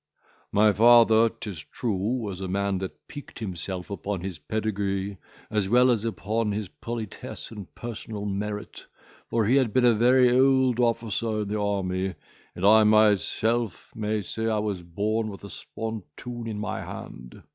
My father, 'tis true, was a man that piqued himself upon his pedigree, as well as upon his politesse and personal merit; for he had been a very old officer in the army, and I myself may say I was born with a spontoon in my hand.